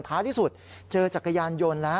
ท้ายที่สุดเจอจักรยานยนต์แล้ว